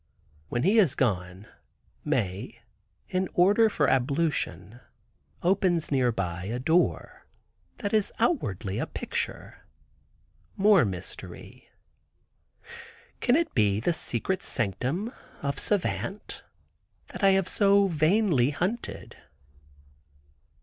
When he is gone, Mae, in order for ablution, opens near by a door, that is outwardly a picture. (More mystery). Can it be the secret sanctum of Savant, that I have so vainly hunted?